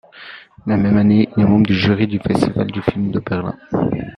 La même année, il est membre du jury du festival du film de Berlin.